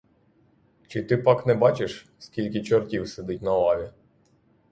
Чи ти пак не бачиш, скільки чортів сидить на лаві?